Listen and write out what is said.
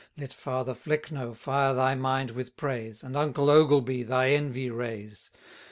Let Father Flecknoe fire thy mind with praise, And uncle Ogleby thy envy raise.